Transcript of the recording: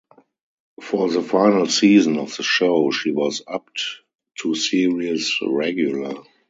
For the final season of the show she was upped to series regular.